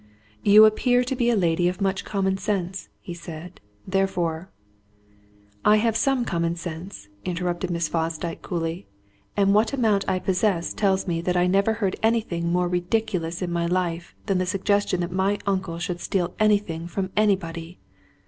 "You appear to be a lady of much common sense!" he said. "Therefore " "I have some common sense," interrupted Miss Fosdyke coolly. "And what amount I possess tells me that I never heard anything more ridiculous in my life than the suggestion that my uncle should steal anything from anybody!